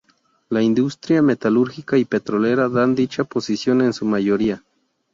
La industria metalúrgica y petrolera dan dicha posición en su mayoría.